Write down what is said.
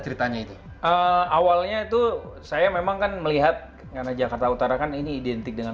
ceritanya itu awalnya itu saya memang kan melihat karena jakarta utara kan ini identik dengan